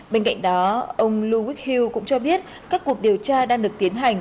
bên cạnh đó ông louis hill cũng cho biết các cuộc điều tra đang được tiến hành